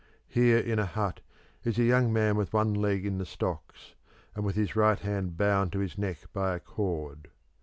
Here in a hut is a young man with one leg in the stocks, and with his right hand bound to his neck by a cord.